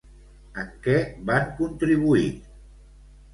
En què van contribuir?